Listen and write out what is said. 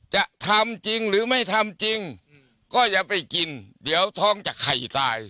จะทำจริงหรือไม่ทำจริงก็อย่าไปกินเดี๋ยวท้องจากไข่ตาย